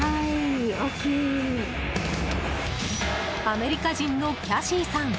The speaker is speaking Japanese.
アメリカ人のキャシーさん